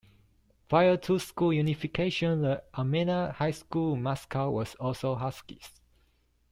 Prior to school unification, the Almena High School mascot was also Huskies.